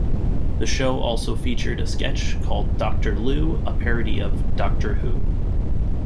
The show also featured a sketch called Doctor Loo, a parody of "Doctor Who".